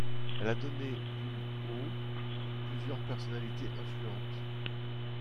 Elle a donné, du au s, plusieurs personnalités influentes.